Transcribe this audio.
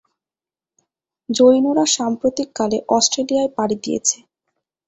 জৈনরা সাম্প্রতিক কালে অস্ট্রেলিয়ায় পাড়ি দিয়েছে।